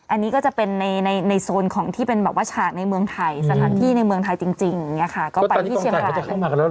อันนี้ก็จะเป็นในโซนของที่เป็นแบบว่าฉากในเมืองไทยสถานที่ในเมืองไทยจริงเนี่ยค่ะ